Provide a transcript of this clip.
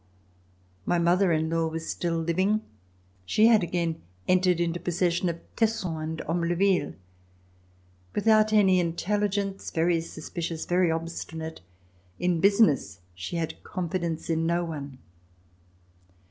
My RECOLLECTIONS OF THE REVOLUTION mother in law was still living. She had again entered into possession of Tesson and Ambleville. Without any intelligence, very suspicious, very obstinate, in business she had confidence in no one.